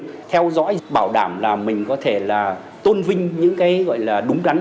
mình theo dõi bảo đảm là mình có thể là tôn vinh những cái gọi là đúng đắn